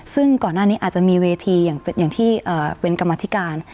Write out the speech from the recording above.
ซึ่งก่อนหน้านี้อาจจะมีเวทีอย่างที่เป็นกรรมธิการ